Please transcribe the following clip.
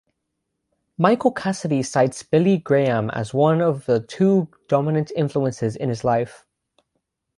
Michael Cassidy cites Billy Graham as one of two dominant influences in his life.